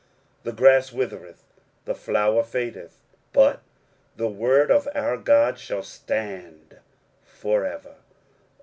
23:040:008 The grass withereth, the flower fadeth: but the word of our God shall stand for ever.